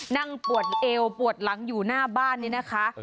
นั่งปวดเอวปวดหลังอยู่หน้าบ้านนี้นะคะ